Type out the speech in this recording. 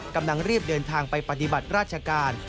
กำลังรีบเดินทางไปปฏิบัติราชการ